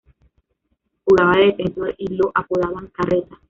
Jugaba de defensor y lo apodaban "Carreta".